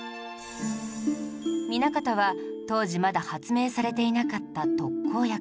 南方は当時まだ発明されていなかった特効薬